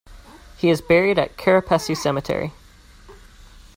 He is buried at Kerepesi Cemetery.